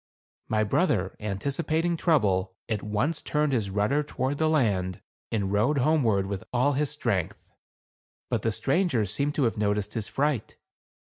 My brother, anticipating trouble, at once turned his rudder toward land, and rowed homeward with all his strength. But the strangers seemed to have noticed his fright.